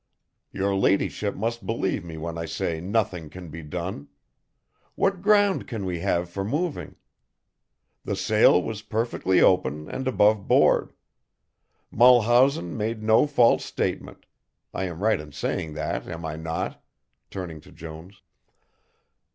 "Your ladyship must believe me when I say nothing can be done. What ground can we have for moving? The sale was perfectly open and above board. Mulhausen made no false statement I am right in saying that, am I not?" turning to Jones.